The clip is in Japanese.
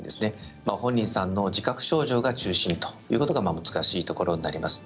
本人の自覚症状が中心ということが難しいところになります。